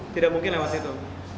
tidak mungkin lewat situ